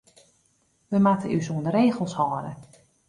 Wy moatte ús oan de regels hâlde.